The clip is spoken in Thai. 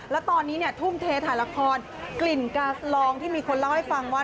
แล้วตอนนี้เนี่ยทุ่มเทถ่ายละครกลิ่นกาสลองที่มีคนเล่าให้ฟังว่า